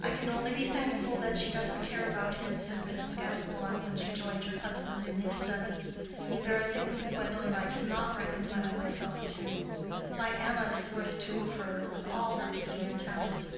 "I can only be thankful that she doesn't care about him," said Mrs. Gascoigne, when she joined her husband in his study. "There are things in Gwendolen I cannot reconcile myself to. My Anna is worth two of her, with all her beauty and talent.